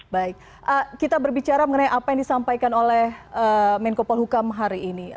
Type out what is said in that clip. baik kita berbicara mengenai apa yang disampaikan oleh menko polhukam hari ini